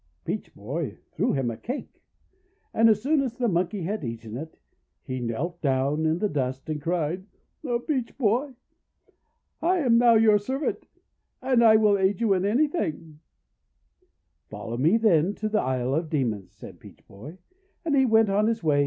Peach Boy threw him a cake. And as soon as the Monkey had eaten it, he knelt down in the dust and cried :— "Peach Boy, I am now your servant, and will aid you in anything!'1 374 THE WONDER GARDEN " Follow me, then, to the Isle of Demons," said Peach Boy, and he went on his way.